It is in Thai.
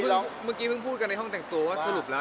เมื่อกี้พึ่งพูดกันในห้องแต่งตัวว่าสรุปแล้ว